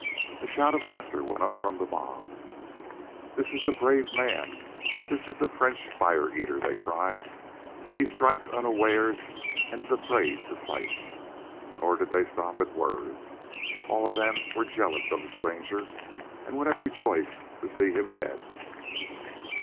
A shout of laughter went up from the mob. "This is the brave man. This is the French fire eater," they cried. "He strikes unawares and is afraid to fight." Nor did they stop at words. All of them were jealous of the stranger, and would have rejoiced to see him dead.